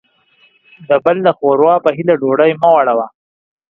د بل د ښور وا په هيله ډوډۍ مه وړوه.